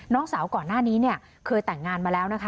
น้องสาวก่อนหน้านี้เนี่ยเคยแต่งงานมาแล้วนะคะ